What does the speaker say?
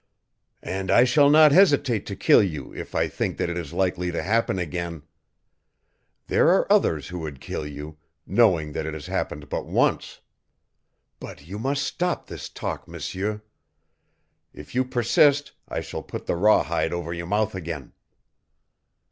"And I shall not hesitate to kill you if I think that it is likely to happen again. There are others who would kill you knowing that it has happened but once. But you must stop this talk, M'seur. If you persist I shall put the rawhide over your mouth again."